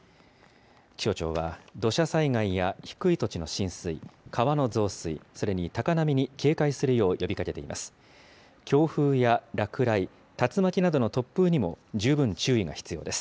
気象庁は土砂災害や低い土地の浸水、川の増水、それに高波に警戒するよう呼びかけています。